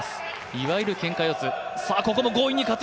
いわゆるけんか四つ。